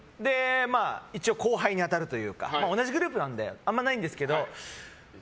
一応、後輩に当たるというか同じグループなのであんまりないんですけど。